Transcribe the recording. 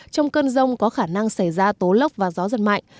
trong cơn rông có khả năng xảy ra tố lốc và gió giật mạnh